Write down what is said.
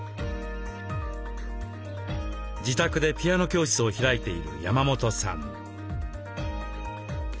自宅でピアノ教室を開いている山本さん。